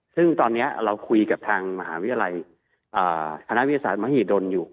ซึ่งตอนนี้เราคุยกับทางมหาวิทยาลัยคณะวิทยาศาสตร์มหิดลอยู่